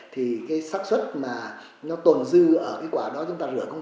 thì cái sắc xuất mà nó tồn dư ở cái quả đó chúng ta lửa không